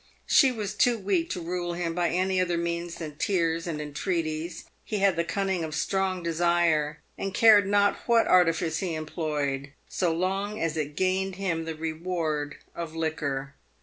She was too weak to rule him by any other means than tears and entreaties ; he had the cunning of strong desire, and cared not what artifice he employed, so long as it gained him the reward of liquor.